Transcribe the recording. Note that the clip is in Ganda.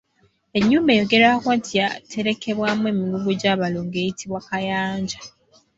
Ennyumba eyogerwako nti y’eterekebwamu emigugu gy’abalongo eyitibwa Kayanja.